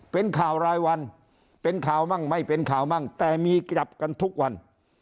เป็นข่าวรายวันเป็นข่าวมั่งไม่เป็นข่าวมั่งแต่มีกลับกันทุกวัน